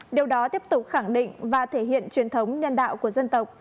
điều đó tiếp tục khẳng định và thể hiện truyền thống nhân đạo của dân tộc